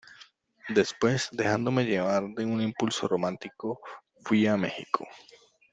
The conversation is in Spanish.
después, dejándome llevar de un impulso romántico , fuí a México.